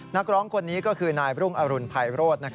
นักร้องคนนี้ก็คือนายรุ่งอรุณภัยโรธ